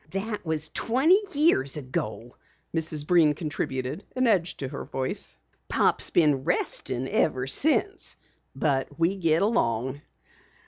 "That was twenty years ago," Mrs. Breen contributed, an edge to her voice. "Pop's been resting ever since. But we get along."